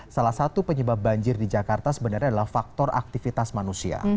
salah satu penyebab banjir di jakarta sebenarnya adalah faktor aktivitas manusia